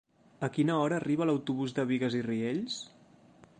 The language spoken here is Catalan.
A quina hora arriba l'autobús de Bigues i Riells?